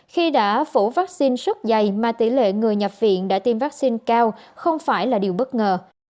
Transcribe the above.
khi đã phủ vaccine rất dày mà tỷ lệ người nhập viện đã tiêm vaccine cao không phải là điều bất ngờ